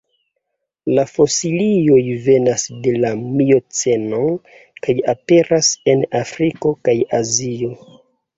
La fosilioj venas de la mioceno kaj aperas en Afriko kaj Azio.